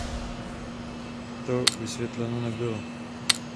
To vysvětleno nebylo.